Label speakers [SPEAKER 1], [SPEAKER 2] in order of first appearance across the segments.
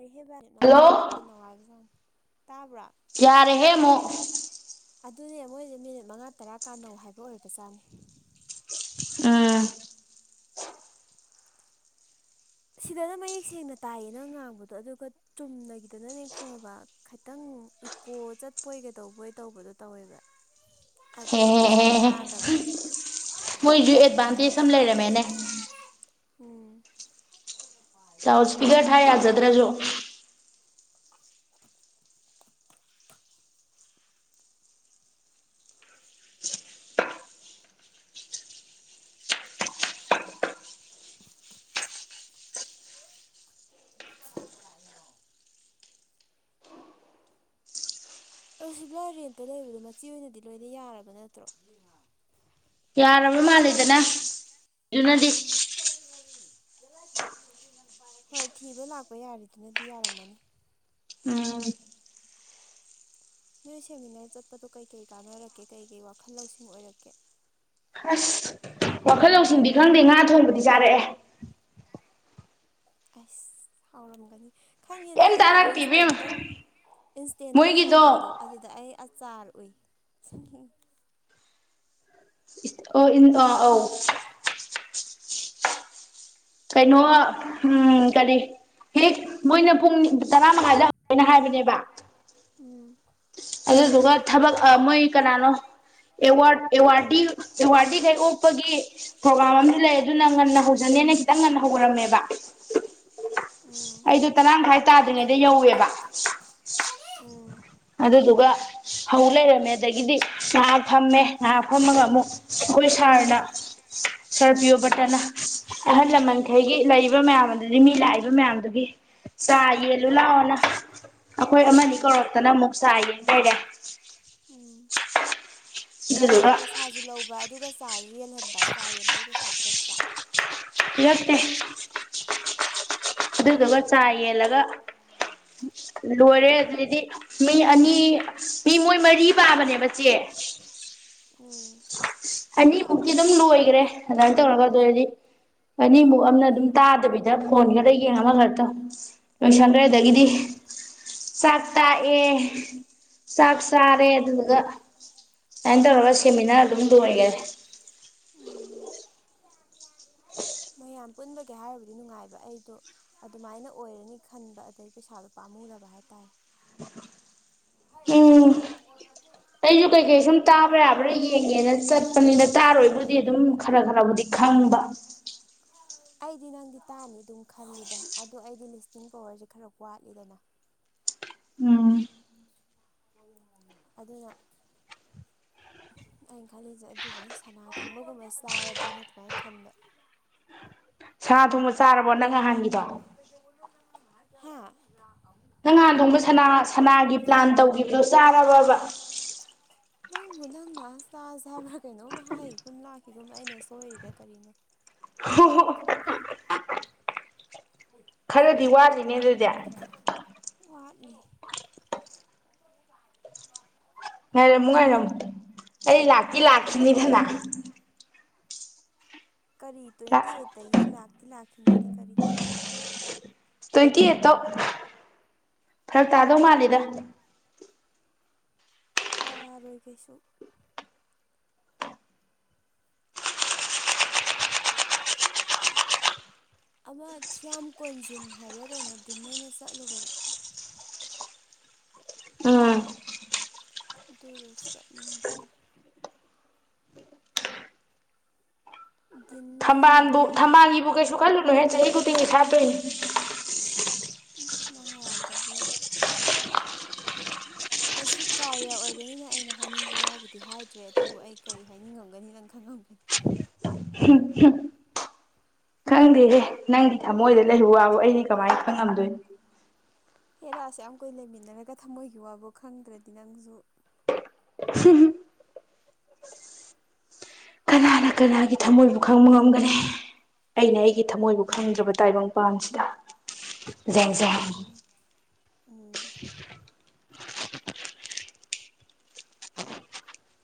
[SPEAKER 1] ꯔꯤ ꯍꯦꯕꯠ ꯃꯉꯥ
[SPEAKER 2] ꯍꯜꯂꯣ
[SPEAKER 1] ꯇꯔꯥꯀꯥꯟ ꯅꯨꯡꯉꯥꯏꯕꯖꯥꯅꯤ ꯇꯥꯕ꯭ꯔꯥ
[SPEAKER 2] ꯌꯥꯔꯦ ꯃꯣ
[SPEAKER 1] ꯑꯗꯨꯅꯦ ꯃꯣꯏꯁꯦ ꯃꯤꯅꯤꯠ ꯃꯉꯥ ꯇꯔꯥ ꯀꯥꯟꯅꯧ ꯍꯥꯏꯕ ꯑꯣꯏꯔꯕꯖꯥꯠꯅꯤ
[SPEAKER 2] ꯎꯝ
[SPEAKER 1] ꯁꯤꯗꯅ ꯃꯌꯦꯛ ꯁꯦꯡꯅ ꯇꯥꯏꯌꯦ ꯅꯪ ꯉꯥꯡꯕꯗꯣ ꯑꯗꯨꯒ ꯆꯨꯝꯅꯒꯤꯗꯅꯅꯦ ꯈꯪꯉꯕ ꯈꯤꯇꯪ ꯏꯀꯣ ꯆꯠꯄꯣꯏ ꯀꯩ ꯇꯧꯕꯣꯏ ꯇꯧꯕꯗꯣ ꯇꯧꯋꯦꯕ
[SPEAKER 2] ꯍꯦ
[SPEAKER 1] ꯑꯗꯨꯒ ꯐꯖꯅ
[SPEAKER 2] ꯍꯦ
[SPEAKER 1] ꯇꯥꯗꯕ
[SPEAKER 2] ꯃꯣꯏꯁꯨ ꯑꯦꯗꯚꯥꯟꯇꯦꯖ ꯑꯃ ꯂꯩꯔꯝꯃꯦꯅꯦ
[SPEAKER 1] ꯎꯝ
[SPEAKER 2] ꯆꯥꯎꯁ ꯄꯤꯗꯔ ꯊꯑ ꯌꯥꯖꯗ꯭ꯔꯖꯣ
[SPEAKER 1] ꯆꯥꯡ ꯂ ꯂꯩꯅꯣ ꯑ ꯁꯤꯂ ꯔꯦꯟꯇ ꯂꯩꯕꯗꯣ ꯃꯆꯤ ꯑꯣꯏꯅꯗꯤ ꯂꯣꯏꯅ ꯌꯥꯔꯕ ꯅꯠꯇ꯭ꯔꯣ
[SPEAKER 2] ꯌꯥꯔꯕ꯭ꯔ ꯃꯥꯜꯂꯦꯗꯅ ꯑꯗꯨꯅꯗꯤ
[SPEAKER 1] ꯎꯝ ꯍꯣꯏ ꯊꯤꯕ ꯂꯥꯛꯄ ꯌꯥꯔꯤꯗꯨꯅꯗꯤ ꯌꯥꯔꯝꯃꯅꯤ
[SPEAKER 2] ꯎꯝ
[SPEAKER 1] ꯅꯣꯏ ꯁꯦꯃꯤꯅꯥꯔ ꯆꯠꯄꯗꯣ ꯀꯩꯀꯩ ꯀꯥꯟꯅꯔꯛꯀꯦ ꯀꯩꯀꯩ ꯋꯥꯈꯜ ꯂꯧꯁꯤꯡ ꯑꯣꯏꯔꯛꯀꯦ
[SPEAKER 2] ꯍꯁ ꯋꯥꯈꯜ ꯂꯧꯁꯤꯡꯗꯤ ꯈꯪꯗꯦ ꯉꯥ ꯊꯣꯡꯕꯗꯤ ꯆꯥꯔꯛꯑꯦ
[SPEAKER 1] ꯑꯁ ꯍꯥꯎꯔꯝꯒꯅꯤ ꯈꯪꯉꯦ
[SPEAKER 2] ꯀꯩꯝ
[SPEAKER 1] ꯅꯪꯅ ꯀꯩꯅꯣ
[SPEAKER 2] ꯇꯥꯔꯛꯇꯦ ꯏꯕꯦꯝꯃ
[SPEAKER 1] ꯏꯟꯁꯇꯦꯟꯇ ꯏꯟꯁꯇꯦꯟꯇ
[SPEAKER 2] ꯃꯣꯏꯒꯤꯗꯣ
[SPEAKER 1] ꯊꯝꯃꯛꯄꯗꯣ ꯑꯗꯨꯗ ꯑꯩ ꯑꯆꯥꯔ ꯎ
[SPEAKER 2] ꯑ ꯑꯥ ꯑꯧ ꯀꯩꯅꯣ ꯎꯝ ꯀꯔꯤ ꯍꯦꯛ ꯃꯣꯏꯅ ꯄꯨꯡꯅꯤꯡ ꯇꯔꯥ ꯃꯉꯥꯗ ꯍꯧꯦꯅ ꯍꯥꯏꯕꯅꯦꯕ
[SPEAKER 1] ꯎꯝ
[SPEAKER 2] ꯑꯗꯨꯗꯨꯒ ꯊꯕꯛ ꯃꯣꯏ ꯀꯅꯥꯅꯣ ꯑꯦꯋꯥ ꯑꯦꯋꯥꯔ ꯑꯦꯋꯥꯔꯗꯤ ꯀꯩ ꯑꯣꯄꯒꯤ ꯄ꯭ꯔꯣꯒꯥ꯭ꯔꯒꯥꯝ ꯑꯃꯁꯨ ꯂꯩ ꯑꯗꯨꯅ ꯉꯟꯅ ꯍꯧꯖꯅꯦꯅ ꯈꯤꯇꯪ ꯉꯟꯅ ꯍꯧꯈꯔꯝꯃꯦꯕ
[SPEAKER 1] ꯎꯝ
[SPEAKER 2] ꯑꯩꯗꯣ ꯇꯔꯥ ꯃꯈ ꯃꯈꯥꯏ ꯇꯥꯗ꯭ꯔꯤꯉꯩꯗ ꯌꯧꯋꯦꯕ
[SPEAKER 1] ꯑꯣ
[SPEAKER 2] ꯑꯗꯨꯗꯨꯒ ꯍꯧꯧ ꯂꯩꯔꯝꯃꯦ ꯑꯗꯒꯤꯗꯤ ꯉꯍꯥ ꯐꯝꯃꯦ ꯉꯍꯥ ꯐꯝꯃꯒ ꯑꯃꯨꯛ ꯑꯩꯈꯣꯏ ꯁꯥꯔꯅ ꯁꯥꯔ ꯄꯤꯌꯣꯕꯇꯥꯅ ꯑꯍꯜ ꯂꯃꯟꯈꯩꯒꯤ ꯂꯩꯔꯤꯕ ꯃꯌꯥꯝ ꯑꯗꯨꯗꯤ ꯃꯤ ꯂꯥꯛꯏꯕ ꯃꯌꯥꯝꯗꯨꯒꯤ ꯆꯥ ꯌꯦꯜꯂꯨ
[SPEAKER 1] ꯎꯝ
[SPEAKER 2] ꯂꯥꯛꯑꯣꯅ ꯑꯩꯈꯣꯏ ꯑꯃꯅꯤ
[SPEAKER 1] ꯎꯝ
[SPEAKER 2] ꯀꯧꯔꯛꯇꯅ ꯑꯃꯨꯛ ꯆꯥ ꯌꯦꯟ ꯂꯩꯔꯦ
[SPEAKER 1] ꯎꯝ ꯀꯔꯤ
[SPEAKER 2] ꯑꯗꯨꯗꯨꯒ
[SPEAKER 1] ꯄꯩꯁꯥ ꯁꯥꯥꯁꯨ ꯂꯧꯕ ꯑꯗꯨꯒ ꯆꯥꯁꯨ ꯌꯦꯜꯍꯟꯕ ꯆꯥ ꯌꯦꯟꯕꯒꯤ ꯄꯩꯁꯥ ꯄꯤꯔꯛꯇ꯭ꯔꯥ
[SPEAKER 2] ꯄꯤꯔꯛꯇꯦ ꯑꯗꯨꯗꯨꯒ ꯆꯥ
[SPEAKER 1] ꯎꯝ
[SPEAKER 2] ꯌꯦꯜꯂꯒ ꯂꯣꯏꯔꯦ ꯑꯗꯩꯗꯤ ꯃꯤ ꯑꯅꯤ ꯃꯤ ꯃꯣꯏ ꯃꯔꯤ ꯄꯥꯕꯅꯦꯕ ꯆꯦ
[SPEAKER 1] ꯎꯝ꯫
[SPEAKER 2] ꯑꯅꯤꯃꯨꯛꯀꯤ ꯑꯗꯨꯝ ꯂꯣꯏꯈ꯭ꯔꯦ ꯑꯗꯨꯃꯥꯏꯅ ꯇꯧꯔꯒ ꯑꯗꯨ ꯑꯣꯏꯔꯗꯤ ꯑꯅꯤꯃꯨꯛ ꯑꯃꯅ ꯑꯗꯨꯝ ꯇꯥꯗꯕꯤꯗ ꯐꯣꯟ ꯈꯔ ꯌꯦꯡ ꯑꯃ ꯈꯔ ꯇꯧ ꯂꯣꯏꯁꯟꯈ꯭ꯔꯦ
[SPEAKER 1] ꯎꯝ
[SPEAKER 2] ꯑꯗꯥꯒꯤꯗꯤ ꯆꯥꯛ ꯇꯥꯛꯑꯦ ꯆꯥꯛ ꯆꯥꯔꯦ ꯑꯗꯨꯗꯨꯒ ꯑꯗꯥꯏ ꯇꯧꯔꯒ ꯁꯦꯝꯃꯤꯅꯔ ꯑꯗꯨꯝ ꯂꯣꯏꯈ꯭ꯔꯦ꯫
[SPEAKER 1] ꯎꯝ ꯃꯌꯥꯝ ꯄꯨꯟꯕꯒꯦ ꯍꯥꯏꯔꯕꯗꯤ ꯅꯨꯡꯉꯥꯏꯕ ꯑꯩꯗꯣ ꯑꯗꯨꯃꯥꯏꯅ ꯑꯣꯏꯔꯅꯤ ꯈꯟꯕ ꯑꯗꯩ ꯄꯩꯁꯥꯗꯣ ꯄꯥꯝꯃꯨꯔꯕ ꯍꯥꯏꯇꯥꯔꯦ
[SPEAKER 2] ꯎꯝ
[SPEAKER 1] [unintelligible]
[SPEAKER 2] ꯑꯩꯁꯨ ꯀꯩꯀꯩ ꯁꯨꯝ ꯇꯥꯕ ꯌꯥꯕ꯭ꯔꯥ ꯌꯦꯡꯒꯦꯅ ꯆꯠꯄꯅꯤꯗ ꯇꯥꯔ ꯔꯣꯏꯕꯨꯗꯤ ꯑꯗꯨꯝ ꯈꯔ ꯈꯔꯕꯨꯗꯤ ꯈꯪꯕ꯫
[SPEAKER 1] ꯑꯩꯗꯤ ꯅꯪꯗꯤ ꯇꯥꯅꯤ ꯑꯗꯨꯝ ꯈꯜꯂꯤꯗ ꯑꯗꯣ ꯑꯩꯗꯤ ꯂꯤꯁꯅꯤꯡ ꯄꯋꯥꯔꯁꯦ ꯈꯔ ꯋꯥꯠꯂꯤꯗꯅ
[SPEAKER 2] ꯎꯝ꯫
[SPEAKER 1] ꯑꯗꯨꯅ ꯑꯩꯅ ꯈꯜꯂꯤꯁꯦ ꯑꯗꯨꯗꯨꯅ ꯁꯅꯥ ꯊꫭꯛꯕꯒꯨꯝꯕ ꯆꯥꯔꯗꯤꯅ ꯑꯗꯨꯃꯥꯏꯅ ꯈꯟꯕ
[SPEAKER 2] ꯁꯥ ꯊꯣꯡꯕ ꯆꯥꯔꯕꯣ ꯅꯪ ꯅꯍꯥꯟꯒꯤꯗꯣ
[SPEAKER 1] [unintelligible] ꯍꯥ
[SPEAKER 2] ꯅꯪ ꯅꯍꯥꯟꯊꯣꯡꯕ ꯁꯅꯥ ꯁꯅꯥꯒꯤ ꯄ꯭ꯂꯥꯟ ꯇꯧꯈꯤꯕꯗꯣ ꯆꯥꯔꯕꯕ
[SPEAKER 1] ꯅꯪꯕꯨ ꯅꯪ ꯂꯥꯛ ꯆꯥꯁꯦ ꯍꯥꯏꯕ꯭ꯔꯥ ꯀꯩꯅꯣꯝꯃ ꯍꯥꯏꯈꯤꯒꯨꯝ ꯂꯥꯛꯈꯤꯒꯨꯝ ꯑꯩꯅ ꯁꯣꯏꯔꯤꯔꯥ ꯀꯔꯤꯅꯣ
[SPEAKER 2] ꯍꯣ ꯍꯣ ꯈꯔꯗꯤ ꯋꯥꯠꯂꯤꯅꯦ ꯑꯗꯨꯗꯤ
[SPEAKER 1] [unintelligible] ꯋꯥꯠꯂꯤ [unintelligible]
[SPEAKER 2] ꯉꯥꯏꯔꯝꯃꯨ ꯉꯥꯏꯔꯝꯃꯨ ꯑꯩ ꯂꯥꯛꯇꯤ
[SPEAKER 1] ꯉꯥꯏꯔꯤꯕꯅꯤ
[SPEAKER 2] ꯂꯥꯛꯈꯤꯅꯤꯗꯅ
[SPEAKER 1] ꯀꯔꯤ ꯇ꯭ꯋꯦꯟꯇꯤꯑꯩꯠ ꯇꯒꯤ ꯂꯥꯛꯇꯤ ꯂꯥꯛꯈꯤꯅꯤꯗꯤ ꯀꯔꯤ
[SPEAKER 2] ꯇ꯭ꯋꯦꯟꯇꯤꯑꯩꯠꯇꯧ ꯐꯔꯛ ꯇꯥꯗꯧ ꯃꯥꯜꯂꯤꯗ
[SPEAKER 1] ꯇꯥꯔꯣꯏꯀꯩꯁꯨ ꯑꯃ ꯊꯤꯌꯥꯝ ꯀꯣꯟꯖꯤꯟ ꯍꯥꯏꯕ꯭ꯔꯥ ꯀꯩꯅꯣ ꯗꯤꯟ ꯑꯣꯏꯅ ꯆꯠꯂꯨꯕꯗꯣ
[SPEAKER 2] ꯎꯝ
[SPEAKER 1] ꯑꯗꯨꯗꫭ ꯆꯠꯅꯤꯡꯕ ꯑꯩꯅ ꯗꯤꯟ
[SPEAKER 2] ꯊꯝꯕꯥꯜꯕꯨ ꯊꯝꯕꯥꯜꯒꯤꯕꯨ ꯀꯩꯁꯨ ꯈꯜꯂꯨꯅꯨ ꯍꯦ ꯆꯍꯤ ꯈꯨꯨꯗꯤꯡꯒꯤ ꯁꯥꯠꯇꯣꯏꯅꯦ
[SPEAKER 1] ꯎꯝ ꯅꯪ ꯋꯥꯗꯨꯗꯤ ꯍꯧꯖꯤꯛ ꯀꯥꯔꯤꯌꯥ ꯑꯣꯏꯕꯅꯤꯅ ꯑꯩꯅ ꯍꯥꯏꯅꯤꯡꯕ ꯋꯥꯕꯨꯗꯤ ꯍꯥꯏꯗ꯭ꯔꯦ ꯑꯗꯨꯕꯨ ꯑꯩ ꯀꯔꯤ ꯍꯥꯏꯅꯤꯡꯉꯝꯒꯅꯤ ꯅꯪ ꯈꯪꯉꯝꯒꯅꯤ꯫
[SPEAKER 2] [unintelligible] ꯈꯪꯗꯦꯍꯦ ꯅꯪꯒꯤ ꯊꯃꯣꯏꯗ ꯂꯩꯕ ꯋꯥꯕꯨ ꯑꯩꯗꯤ ꯀꯃꯥꯏꯅ ꯈꯪꯉꯝꯗꯣꯏꯅꯣ
[SPEAKER 1] ꯍꯦꯔꯥ ꯑꯁꯨꯛꯌꯥꯝ ꯀꯨꯏ ꯂꯩꯃꯤꯟꯅꯔꯒ ꯊꯝꯃꯣꯏꯒꯤ ꯋꯥꯕꯨ ꯈꯪꯗ꯭ꯔꯗꯤ ꯅꯪꯁꯨ
[SPEAKER 2] ꯀꯅꯥꯅ ꯀꯅꯥꯒꯤ ꯊꯃꯣꯏꯕꯨ ꯈꯪꯕ ꯉꯝꯒꯅꯤ ꯑꯩꯅ ꯑꯩꯒꯤ ꯊꯃꯣꯏꯕꯨ ꯈꯪꯗ꯭ꯔꯕ ꯇꯥꯏꯕꯪ ꯄꯥꯁꯤꯗ ꯖꯦꯡꯖꯦꯡ
[SPEAKER 1] ꯎꯝ ꯎꯝ꯫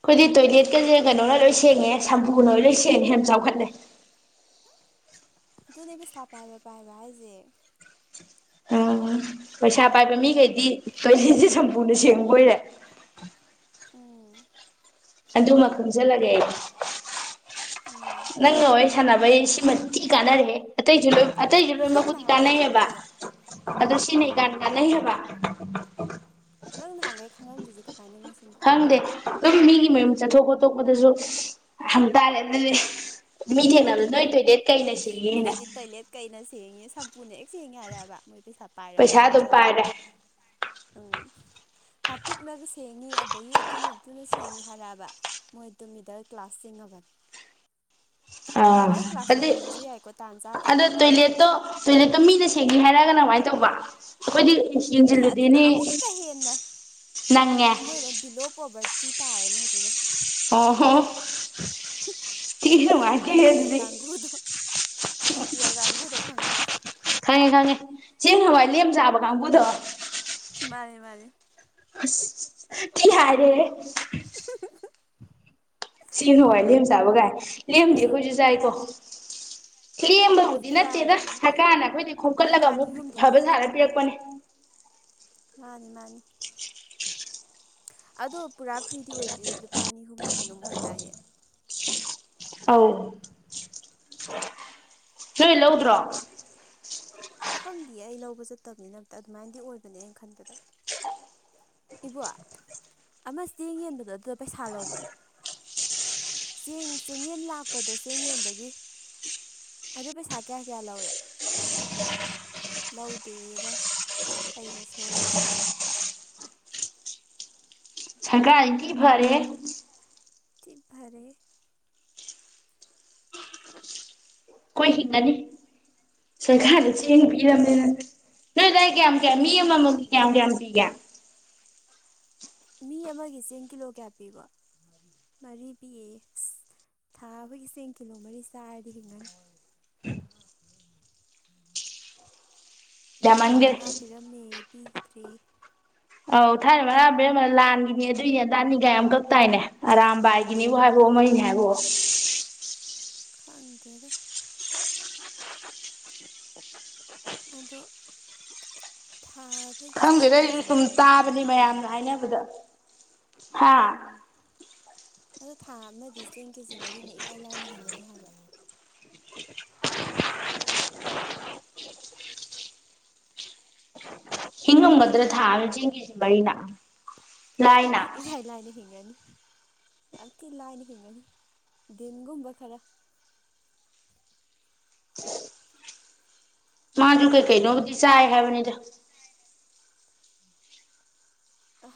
[SPEAKER 2] ꯑꯩꯈꯣꯏꯗꯤ ꯇꯣꯏꯂꯦꯠꯀꯁꯦ ꯀꯩꯅꯣꯅ ꯂꯣꯏ ꯁꯦꯡꯉꯦ ꯁꯝꯄꯨ ꯂꯣꯏ ꯂꯣꯏ ꯁꯦꯡꯉꯦ ꯌꯥꯝ ꯆꯥꯎꯈꯠꯂꯦ
[SPEAKER 1] ꯑꯗꯨꯅꯦ ꯄꯩꯁꯥ ꯄꯥꯏꯕ ꯄꯥꯏꯕ ꯍꯥꯏꯁꯦ
[SPEAKER 2] [unintelligible] ꯄꯩꯁꯥ ꯄꯥꯏꯕ ꯃꯤꯈꯩꯗꯤ ꯀꯩꯂꯦꯟꯁꯦ ꯁꯝꯄꯨꯅ ꯁꯦꯡꯕ ꯑꯣꯏꯔꯦ
[SPEAKER 1] ꯎꯝ
[SPEAKER 2] ꯑꯗꯨꯃ ꯈꯪꯁꯤꯜꯂꯒꯦ ꯑꯩ
[SPEAKER 1] ꯎꯝ
[SPEAKER 2] ꯅꯪꯒ ꯋꯥꯔꯤ ꯁꯥꯟꯅꯕꯩ ꯁꯤꯃ ꯊꯤ ꯀꯥꯟꯅꯔꯦ ꯑꯇꯩꯁꯨ ꯂꯣꯏ ꯑꯇꯩꯁꯨ
[SPEAKER 1] ꯅꯪ
[SPEAKER 2] ꯂꯣꯏꯅꯃꯛꯕꯨꯗꯤ
[SPEAKER 1] ꯅꯍꯥꯟꯈꯩ
[SPEAKER 2] ꯀꯥꯟꯅꯩꯑꯦꯕ
[SPEAKER 1] ꯈꯪꯗ꯭ꯔꯤꯕ
[SPEAKER 2] ꯑꯗꯣ ꯁꯤꯅ
[SPEAKER 1] ꯎꯝ
[SPEAKER 2] ꯏꯀꯥꯟ ꯀꯥꯟꯅꯩꯑꯦꯕ
[SPEAKER 1] ꯅꯪ ꯅꯍꯥꯟꯒꯩ ꯈꯪꯉꯝꯗꯔꯤꯁꯦ ꯀꯃꯥꯏꯅꯅꯣ ꯁꯤꯅꯤ
[SPEAKER 2] ꯈꯪꯗꯦ ꯑꯗꯨꯝ ꯃꯤꯒꯤ ꯃꯌꯨꯝ ꯆꯠꯊꯣꯛ ꯈꯣꯇꯣꯛꯄꯗꯁꯨ ꯍꯪꯇꯥꯔꯦ ꯑꯗꯨꯗꯤ ꯃꯤ ꯊꯦꯡꯅꯕꯗ ꯅꯣꯢ ꯇꯣꯢꯂꯦꯠ
[SPEAKER 1] ꯅꯣꯏꯗꯤ ꯇꯣꯏꯂꯦꯠ ꯀꯩꯅ ꯁꯦꯡꯉꯦ ꯁꯝꯄꯨꯅ ꯍꯦꯛ ꯁꯦꯡꯉꯦ ꯍꯥꯏꯔꯕ ꯃꯣꯏ ꯄꯩꯁꯥ ꯄꯥꯏꯔꯕꯗꯤ
[SPEAKER 2] ꯄꯩꯁꯥ ꯑꯗꯨꯝ
[SPEAKER 1] ꯀꯪꯁꯤꯜꯂꯣ
[SPEAKER 2] ꯄꯥꯏꯔꯦ
[SPEAKER 1] ꯎꯝ ꯍꯥꯄꯤꯛꯅꯒ ꯁꯦꯡꯉꯤ ꯑꯗꯒꯤ ꯑꯗꯨꯨ ꯑꯗꯨꯅ ꯁꯦꯡꯉꯤ ꯍꯥꯏꯔꯕ ꯃꯣꯏꯗꯨ ꯃꯤꯗꯜ ꯀ꯭ꯂꯥꯁ ꯆꯤꯡꯂꯕꯅꯤ
[SPEAKER 2] ꯑ ꯑꯗꯤ
[SPEAKER 1] ꯇꯥꯟ
[SPEAKER 2] ꯑꯗꯨ
[SPEAKER 1] ꯆꯥꯗ꯭ꯔꯒꯗꯤ
[SPEAKER 2] ꯇꯣꯢꯂꯦꯠꯇꯣ ꯇꯣꯏꯂꯦꯠꯗ ꯃꯤꯅ ꯁꯦꯡꯉꯤ ꯍꯥꯏꯔꯒꯅ ꯀꯃꯥꯏꯅ ꯇꯧꯕ ꯑꯩꯈꯣꯏꯗꯤ
[SPEAKER 1] ꯑꯦꯍ ꯑꯗꯨꯅ
[SPEAKER 2] ꯌꯦꯡꯁꯤꯜꯂꯨꯗꯦꯅꯦ
[SPEAKER 1] ꯑꯃꯨꯛꯀ ꯍꯦꯟꯅ
[SPEAKER 2] ꯅꯪꯉꯦ
[SPEAKER 1] ꯃꯣꯏꯅ ꯕꯤꯂꯣ ꯄꯣꯕꯔꯇꯤ ꯇꯥꯔꯦ ꯃꯣꯏꯗꯨꯅ
[SPEAKER 2] ꯑꯣ ꯍꯣ
[SPEAKER 1] ꯕꯤ ꯄꯤ ꯑꯦꯜ
[SPEAKER 2] ꯑꯗꯨꯗꯤ
[SPEAKER 1] ꯀꯥꯡꯒꯨꯗꯣ ꯕꯤ ꯄꯤ ꯑꯦꯜ ꯀꯥꯡꯒꯨꯗꯣ ꯈꯪꯉꯕ꯫
[SPEAKER 2] ꯈꯪꯉꯦ ꯈꯪꯉꯦ ꯆꯦꯡ ꯍꯋꯥꯏ ꯂꯦꯝ ꯆꯥꯕ ꯀꯥꯡꯕꯨꯗꯣ꯫
[SPEAKER 1] ꯃꯥꯅꯦ ꯃꯥꯅꯦ
[SPEAKER 2] ꯑꯁ ꯊꯤ ꯌꯥꯏꯔꯦꯍꯦ
[SPEAKER 1] [unintelligible]
[SPEAKER 2] ꯆꯦꯡ ꯍꯋꯥꯏ ꯂꯦꯝ ꯆꯥꯕꯒꯥꯏ ꯂꯦꯝꯗꯤ ꯑꯈꯣꯏꯖꯨ ꯆꯥꯏꯀꯣ ꯂꯦꯝꯕ ꯗꯤ ꯅꯠꯇꯦꯗ
[SPEAKER 1] ꯆꯥꯔꯤꯕꯅꯤ
[SPEAKER 2] ꯁꯔꯀꯥꯔꯅ ꯑꯈꯣꯏꯗꯩ
[SPEAKER 1] ꯂꯨꯄꯥ
[SPEAKER 2] ꯈꯣꯝꯀꯠꯂꯒ
[SPEAKER 1] ꯑꯅꯤ
[SPEAKER 2] ꯑꯃꯨꯛ
[SPEAKER 1] ꯑꯍꯨꯝꯗꯤ
[SPEAKER 2] ꯑꯐꯕ
[SPEAKER 1] ꯄꯤꯔꯤ
[SPEAKER 2] ꯁꯔꯒ ꯄꯤꯔꯛꯄꯅꯦ꯫
[SPEAKER 1] ꯃꯥꯅꯤ ꯃꯥꯅꯤ ꯑꯗꯣ ꯄꯨꯔꯥ ꯐ꯭ꯔꯤꯗꯤ ꯑꯣꯏꯗ꯭ꯔꯤ ꯂꯨꯄꯥ ꯑꯅꯤ ꯑꯍꯨꯝꯂ ꯀꯩꯅꯣꯝ ꯑꯣꯏꯗꯥꯏꯅꯦ꯫
[SPEAKER 2] ꯑꯥꯎ ꯅꯣꯏ ꯂꯧꯗ꯭ꯔꯣ
[SPEAKER 1] ꯈꯪꯗꯤꯌꯦ ꯑꯩ ꯂꯧꯕ ꯆꯠꯇꯕꯅꯤꯅ ꯑꯝꯇ ꯑꯗꯨꯃꯥꯏꯅꯗꯤ ꯑꯣꯏꯕꯅꯦ ꯑꯩ ꯈꯟꯕꯗ꯫ ꯏꯕꯣꯛ ꯑꯃ ꯆꯦꯡ ꯌꯦꯟꯕꯗꯣ ꯑꯗꯨꯗ ꯄꯩꯁꯥ ꯂꯧꯕ꯭ꯔꯥ꯫ ꯆꯦꯡ ꯆꯦꯡꯉꯦꯟ ꯂꯥꯛꯄꯗꯣ ꯆꯦꯡ ꯌꯦꯟꯕꯒꯤ ꯑꯗꯨ ꯄꯩꯁꯥ ꯀꯌꯥ ꯀꯌꯥ ꯂꯧꯏ꯫ ꯂꯧꯗꯦ ꯚꯥꯏ ꯑꯩꯅ ꯁꯣꯏꯕꯅꯤ
[SPEAKER 2] ꯁꯔꯀꯥꯔꯗꯤ ꯊꯤ ꯐꯔꯦꯍꯦ
[SPEAKER 1] ꯊꯤ ꯐꯔꯦꯍꯦ
[SPEAKER 2] ꯈꯣꯏ ꯍꯤꯡꯉꯅꯤ ꯁꯔꯀꯥꯔꯅ ꯆꯦꯡ
[SPEAKER 1] ꯍꯤꯡꯉꯅꯤ
[SPEAKER 2] ꯄꯤꯔꯝꯅꯤꯅ ꯅꯣꯏ ꯑꯗꯥꯥꯏ ꯀꯌꯥꯝ ꯃꯤ
[SPEAKER 1] ꯍꯤꯡꯉꯅꯤ
[SPEAKER 2] ꯑꯃꯃꯝꯒꯤ ꯀꯌꯥꯝ ꯀꯌꯥꯝ ꯄꯤꯒꯦ꯫
[SPEAKER 1] ꯃꯤ ꯑꯃꯒꯤ ꯆꯦꯡ ꯀꯤꯂꯣ ꯀꯌꯥ ꯄꯤ ꯢꯄꯣꯛ ꯃꯔꯤ ꯄꯤꯌꯦꯌꯦ ꯑꯁ ꯊꯥ ꯑꯃꯒꯤ ꯆꯦꯡ ꯀꯤꯂꯣ ꯃꯔꯤ ꯆꯥꯔꯗꯤ ꯍꯤꯡꯉꯥꯅꯤ꯫ ꯃꯉꯥ [unintelligible] ꯎꯝ ꯊꯥꯏꯅ
[SPEAKER 2] ꯌꯥꯝꯃꯟꯒꯔꯦ
[SPEAKER 1] ꯃꯉꯥ ꯄꯤꯔꯝꯃꯦ ꯄꯤꯈꯤꯗ꯭ꯔꯦꯌꯦ
[SPEAKER 2] ꯑꯧ ꯊꯥꯏꯅ ꯃꯔꯛ ꯑꯃ ꯄꯤꯔꯝꯃꯦ ꯂꯥꯟꯒꯤꯅꯦ ꯑꯗꯨꯒꯤꯅꯦ ꯑꯗꯥꯒꯤꯒꯥꯢꯅ ꯌꯥꯝ ꯀꯛꯇꯥꯏꯅꯦ ꯑꯔꯥꯝꯕꯥꯏ ꯒꯤꯅꯦꯕꯣ ꯍꯥꯏꯕꯑꯣ ꯑꯃꯒꯤꯅꯦ ꯍꯥꯏꯕꯣꯍꯣ
[SPEAKER 1] ꯈꯪꯗꯦꯗ ꯑꯗꯣ ꯊꯥꯥ
[SPEAKER 2] ꯈꯪꯗꯦꯗ ꯑꯩꯖꯨ ꯁꯨꯝ ꯇꯥꯕꯅꯤ ꯃꯌꯥꯝꯅ
[SPEAKER 1] ꯌꯥꯔꯅꯤ
[SPEAKER 2] ꯍꯥꯏꯅꯕꯗ ꯍꯥ
[SPEAKER 1] ꯑꯗꯨ ꯊꯥ ꯑꯃꯗꯤ ꯆꯦꯡ ꯀꯦꯖꯤ ꯃꯔꯤꯅ ꯏꯔꯥꯏ ꯂꯥꯏꯅ ꯍꯤꯡꯉꯅꯤ ꯍꯥꯏꯕ꯫
[SPEAKER 2] ꯍꯤꯡꯉꯝꯒꯗ꯭ꯔ ꯊꯥꯃꯗ ꯆꯦꯡꯀꯦꯁꯤ ꯃꯔꯤꯅ ꯂꯥꯏꯅ
[SPEAKER 1] ꯑꯦ ꯏꯔꯥꯏ ꯂꯥꯏꯅ ꯍꯤꯡꯉꯅꯤ ꯌꯥꯝ ꯊꯤ ꯂꯥꯏꯅ ꯍꯤꯡꯉꯅꯤ ꯗꯤꯟꯒꯨꯝꯕ ꯈꯔ
[SPEAKER 2] ꯃꯥꯖꯨ ꯀꯩꯀꯩꯅꯣꯕꯨꯗꯤ ꯆꯥꯏ ꯍꯥꯏꯕꯅꯤꯗ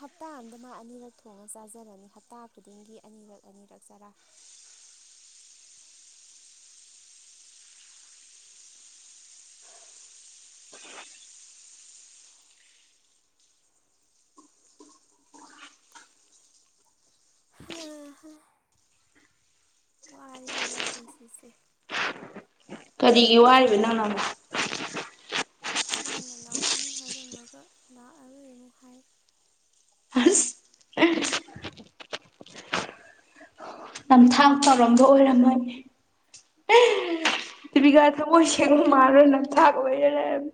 [SPEAKER 1] ꯍꯞꯇꯥ ꯑꯝꯗ ꯃꯥ ꯑꯅꯤꯔꯛ ꯊꯣꯡꯉ ꯆꯥꯖꯔꯅꯤ ꯍꯞꯇꯥ ꯈꯨꯗꯤꯡꯒꯤ ꯑꯅꯤꯔꯛ ꯑꯅꯤꯔꯛ ꯆꯥꯔꯥ ꯍꯥ ꯍꯥ ꯋꯔꯦꯍꯦ ꯚꯥꯏ ꯄꯨꯟꯁꯤꯁꯦ
[SPEAKER 2] ꯀꯔꯤꯒꯤ ꯋꯥꯔꯤꯕ ꯅꯪꯅ ꯑꯃꯨꯛ
[SPEAKER 1] ꯅꯪꯅ ꯂꯥꯛꯀꯅꯤ ꯍꯥꯏꯔꯝꯃꯒ ꯂꯥꯛꯑꯔꯣꯏ ꯑꯃꯨꯛ ꯍꯥꯏ꯫
[SPEAKER 2] ꯑꯁ ꯅꯝꯊꯥꯛ ꯇꯧꯔꯝꯕ ꯑꯣꯏꯔꯝꯃꯅꯤ ꯕꯤꯀꯥ ꯊꯃꯣꯏ ꯁꯦꯡꯕ ꯃꯥꯟꯅ ꯅꯝꯊꯛ ꯑꯣꯏꯔ ꯂꯩꯔꯝ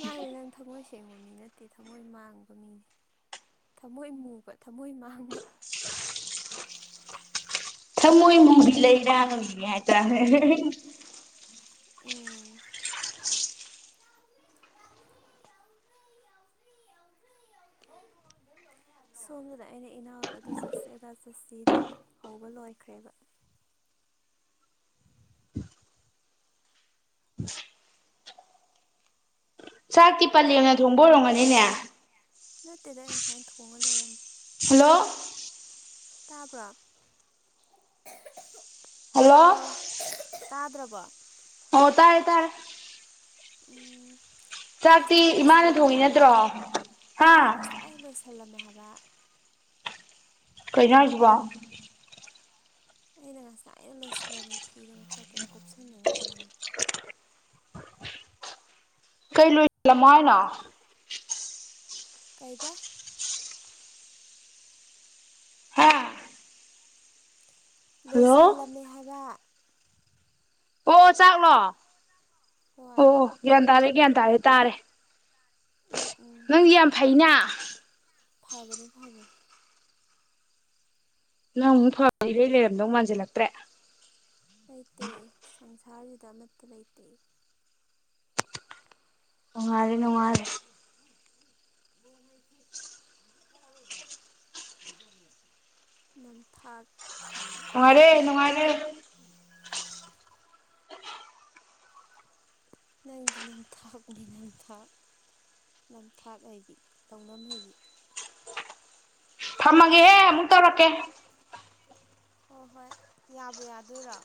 [SPEAKER 1] ꯃꯥꯅꯦ ꯅꯪ ꯊꯃꯣꯏ ꯁꯦꯡꯕ ꯃꯤ ꯅꯠꯇꯦ ꯊꯃꯣꯏ ꯃꯥꯡꯕ ꯃꯤꯅꯦ꯫ ꯊꯝꯃꯣꯏ ꯃꯨꯕ ꯊꯝꯃꯣꯏ ꯃꯥꯡꯕ
[SPEAKER 2] ꯊꯃꯣꯏꯃꯨꯕꯤ ꯂꯩꯔꯥꯡꯒꯤ ꯍꯥꯏꯇꯥꯔꯦ
[SPEAKER 1] ꯎꯝ ꯁꯣꯝꯗꯨꯗ ꯑꯩꯅ ꯏꯅꯥꯎꯗ ꯑꯗꯨ ꯆꯠꯁꯦ ꯑꯗꯥ ꯆꯠꯁꯤꯅ ꯍꯧꯕ ꯂꯣꯏꯈ꯭ꯔꯦꯕ꯫
[SPEAKER 2] ꯆꯥꯛꯇꯤ ꯄꯂꯦꯡꯅ ꯊꯣꯡꯕ ꯑꯣꯏꯔꯝꯒꯅꯤꯅꯦ꯫
[SPEAKER 1] ꯅꯠꯇꯦꯗ ꯑꯩ ꯉꯁꯥꯏꯅ ꯊꯣꯡꯉꯒ ꯂꯣꯏꯔꯝꯃꯦ
[SPEAKER 2] ꯍꯜꯂꯣ
[SPEAKER 1] ꯇꯥꯕ꯭ꯔꯣ
[SPEAKER 2] ꯍꯜꯂꯣ
[SPEAKER 1] ꯇꯥꯕ꯭ꯔꯣ ꯇꯥꯗ꯭ꯔꯕꯣ
[SPEAKER 2] ꯍꯣ ꯇꯥꯔꯦ ꯇꯥꯔꯦ
[SPEAKER 1] ꯎꯝ ꯑꯩ
[SPEAKER 2] ꯆꯥꯛꯇꯤ
[SPEAKER 1] ꯉꯁꯥꯏ
[SPEAKER 2] ꯏꯃꯥꯅ
[SPEAKER 1] ꯂꯣꯏꯁꯜꯂꯝꯃꯦ
[SPEAKER 2] ꯊꯣꯡꯉꯤ
[SPEAKER 1] ꯍꯥꯏꯕ
[SPEAKER 2] ꯅꯠꯇ꯭ꯔꯣ ꯍꯥ
[SPEAKER 1] ꯑꯩꯅ ꯉꯁꯥꯏ ꯂꯣꯏꯁꯜ ꯁꯜꯂꯝꯃꯦ ꯍꯥꯏꯕ
[SPEAKER 2] ꯀꯅ ꯍꯥꯏꯁꯤꯕ
[SPEAKER 1] ꯑꯩꯅ ꯉꯁꯥꯏ ꯑꯥꯏꯩꯅ ꯂꯣꯏꯁꯤꯜꯂꯝꯃꯦ ꯊꯤꯗꯅ ꯈꯣꯠꯇꯅ ꯀꯨꯞꯁꯟꯗꯅ ꯊꯝꯂꯝꯃꯦ
[SPEAKER 2] ꯀꯩ ꯂꯣꯏꯜꯂꯝꯃꯣ ꯍꯥꯏꯅꯣ
[SPEAKER 1] ꯀꯩꯕ
[SPEAKER 2] ꯍꯥꯥ
[SPEAKER 1] ꯂꯣꯏꯁꯤꯜꯂꯝꯃꯦ ꯍꯥꯏꯕ
[SPEAKER 2] ꯑꯣ ꯆꯥꯛꯂꯣ
[SPEAKER 1] ꯍꯣꯏ
[SPEAKER 2] ꯑꯣ ꯒ꯭ꯌꯥꯟ ꯇꯥꯔꯦ ꯒ꯭ꯌꯥꯟ ꯇꯥꯔꯦ ꯇꯥꯔꯦ
[SPEAKER 1] ꯎꯝ
[SPEAKER 2] ꯅꯪꯗꯤ ꯌꯥꯝ ꯐꯩꯅ
[SPEAKER 1] ꯐꯕꯅꯦ ꯐꯕꯅꯤ
[SPEAKER 2] ꯅꯪ ꯑꯃꯨꯛ ꯐ ꯏꯔꯩ ꯂꯩꯔꯝꯗꯧ ꯃꯥꯟꯁꯤꯜꯂꯛꯇ꯭ꯔꯦ
[SPEAKER 1] ꯂꯩꯇꯦ ꯁꯪꯁꯥꯔꯁꯤꯗ ꯑꯃꯠꯇ ꯂꯩꯇꯦ
[SPEAKER 2] ꯅꯨꯡꯉꯥꯏꯔꯦ ꯅꯨꯡꯉꯥꯏꯔꯦ
[SPEAKER 1] [unintelligible] ꯅꯝꯊꯥꯛ
[SPEAKER 2] ꯅꯨꯡꯉꯥꯏꯔꯦ ꯅꯨꯡꯉꯥꯏꯔꯦ
[SPEAKER 1] ꯎ ꯅꯪꯗꯤ ꯅꯝꯊꯥꯛꯅꯤ ꯅꯝꯊꯥꯛ ꯅꯝꯊꯥꯛ ꯍꯩꯕꯤ ꯂꯧꯅꯝ ꯍꯩꯕꯤ
[SPEAKER 2] ꯊꯝꯃꯒꯦꯍꯦ ꯑꯃꯨꯛ ꯇꯧꯔꯛꯀꯦ
[SPEAKER 1] ꯍꯣꯏ ꯍꯣꯏ ꯌꯥꯕꯨ ꯌꯥꯗꯣꯏꯔꯣ